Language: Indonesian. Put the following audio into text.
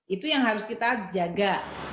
itu yang harus kita jaga